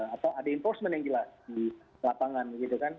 atau ada enforcement yang jelas di lapangan gitu kan